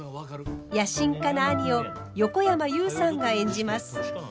野心家な兄を横山裕さんが演じます。